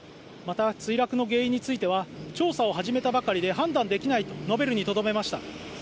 また、墜落の原因については、調査を始めたばかりで判断できないと述べるにとどめました。